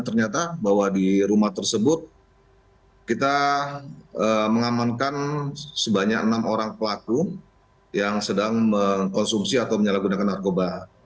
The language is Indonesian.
ternyata bahwa di rumah tersebut kita mengamankan sebanyak enam orang pelaku yang sedang mengkonsumsi atau menyalahgunakan narkoba